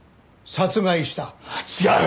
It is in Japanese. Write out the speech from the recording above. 違う。